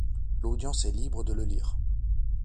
L’audience est libre de le lire.